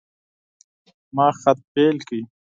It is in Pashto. ما خط پیل کړ.